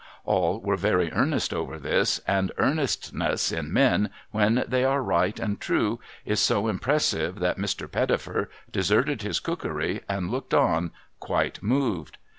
AH were very earnest over this ; and earnestness in men, when they are right and true, is so impressive, that Mr. Pettifer deserted his cookery and looked on quite moved.